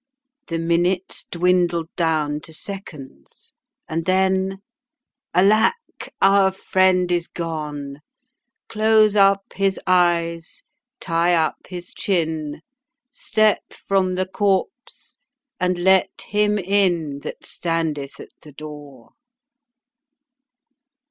The minutes dwindled down to seconds, and then "Alack, our friend is gone! Close up his eyes, tie up his chin Step from the corpse, and let him in That standeth at the door."